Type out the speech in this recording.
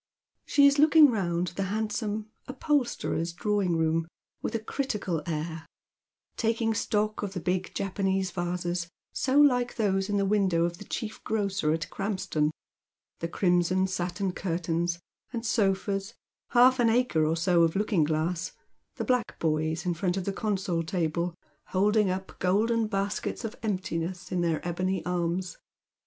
She is looking round the handsome — upholsterer's — dra^ving room with a critical air, taking stock of the big Japanese vases, so Hke those in the window of the chief grocer at Krampston, the crimson satin curtains, and sofas, half an acre or so of looking glass, the black boys in front of the console table, holding up golden baskets of emptiness in their ebony aiTns.